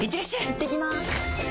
いってきます！